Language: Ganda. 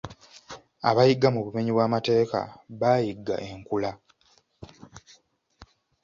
Abayigga mu bumenyi bw'amateeka baayigga enkula.